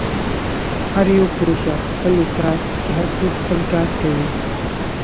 هر یو پوه شه، خپل يې کار، چې هر څوک خپل کار کوي.